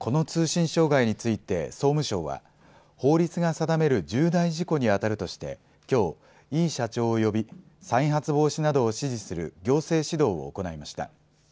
この通信障害について総務省は法律が定める重大事故にあたるとして、きょう、井伊社長を呼び再発防止などを指示する行政指導を行いました。